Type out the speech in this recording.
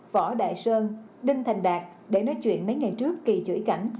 võ đại sơn đinh thành đạt để nói chuyện mấy ngày trước kỳ chưỡi cảnh